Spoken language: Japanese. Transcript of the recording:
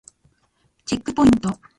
チェックポイント